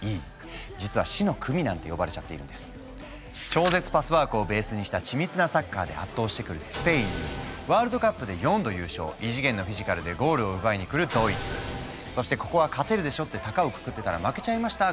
超絶パスワークをベースにした緻密なサッカーで圧倒してくるスペインにワールドカップで４度優勝異次元のフィジカルでゴールを奪いにくるドイツそしてここは勝てるでしょってたかをくくってたら負けちゃいました！